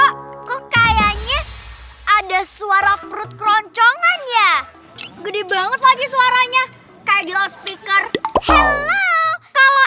kekayaannya ada suara perut keroncongan ya gede banget lagi suaranya kayak speaker kalau